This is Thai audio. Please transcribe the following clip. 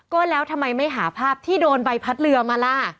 ก็แล้วทำไมไม่หาภาพที่โดนใบพัดเรือมาล่ะ